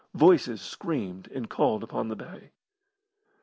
Voices screamed and called upon the bay.